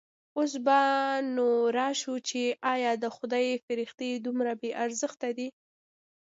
اوس به نو راشو چې ایا د خدای فرښتې دومره بې ارزښته دي.